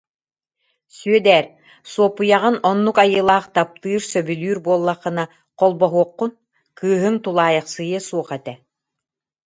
Сүөдээр, Суоппуйаҕын оннук айылаах таптыыр, сөбүлүүр буоллаххына холбоһуоххун, кыыһыҥ тулаайахсыйыа суох этэ